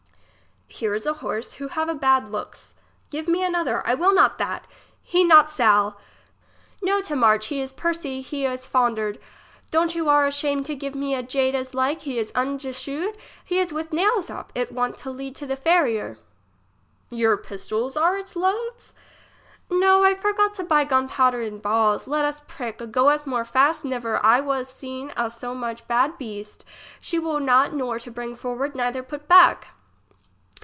Here is a horse who have a bad looks. Give me another ; I will not that. He not sail English as she is spoke. 35 know to march, he is pursy, he is foun dered. Don't you are ashamed to give me a jade as like ? he is undshoed, he is with nails up ; it want to lead to the farrier. Your pistols are its loads ? No; I forgot to buy gun powder and balls. Let us prick. Go us more fast never I was seen a so much bad beast; she will not nor to bring forward neither put back.